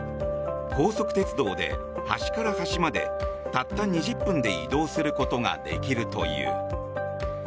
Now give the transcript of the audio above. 高速鉄道で端から端までたった２０分で移動することができるという。